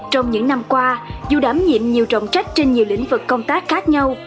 trong những năm qua dù đảm nhiệm nhiều trọng trách trên nhiều lĩnh vực công tác khác nhau